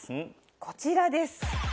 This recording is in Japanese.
こちらです。